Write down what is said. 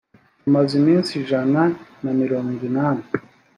amaze iminsi ijana na mirongo inani.